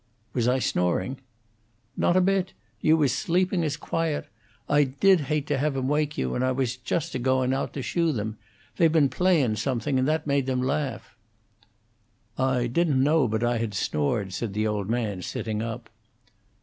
"Was I snoring?" "Not a bit. You was sleeping as quiet! I did hate to have 'em wake you, and I was just goin' out to shoo them. They've been playin' something, and that made them laugh." "I didn't know but I had snored," said the old man, sitting up.